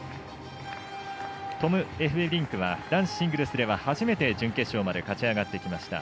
トム・エフベリンクは男子シングルスでははじめて準決勝まで勝ち上がってきました。